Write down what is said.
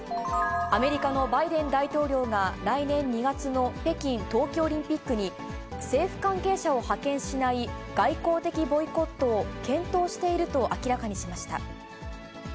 アメリカのバイデン大統領が、来年２月の北京冬季オリンピックに、政府関係者を派遣しない外交的ボイコットを検討していると明らかにしました。